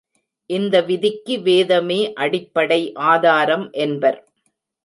இந்த விதிக்கு வேதமே அடிப்படை ஆதாரம் என்பார்.